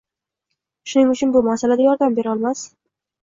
Shuning uchun bu masalada yordam berolmas